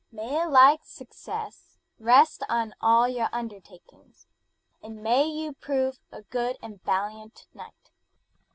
May a like success rest on all your undertakings, and may you prove a good and valiant knight!"